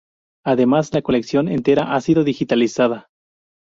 Además, la colección entera ha sido digitalizada.